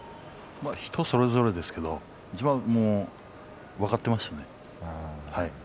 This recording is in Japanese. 人それぞれですけれども自分は分かっていましたね。